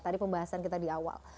tadi pembahasan kita di awal